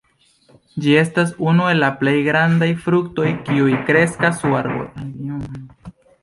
Ĝi estas unu el la plej grandaj fruktoj kiuj kreskas sur arboj.